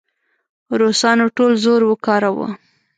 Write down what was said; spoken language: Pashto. روسانو ټول زور وکاراوه.